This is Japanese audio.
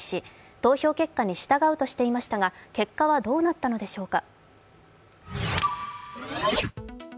投票結果に従うとしていましたが、結果はどうなったのでしょうか。